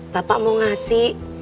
bapak mau ngasih